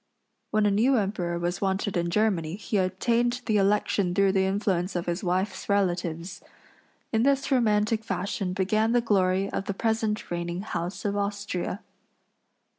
When a new emperor was wanted in Germany he obtained the election through the influence of his wife's relatives. In this romantic fashion began the glory of the present reigning house of Austria.